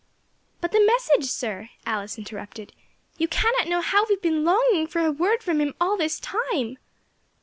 "But the message, sir," Alice interrupted, "you cannot know how we have been longing for a word from him all this time."